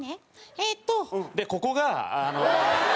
えっとでここがあの。